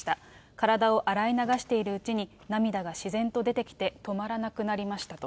体を洗い流しているうちに、涙が自然と出てきて、止まらなくなりましたと。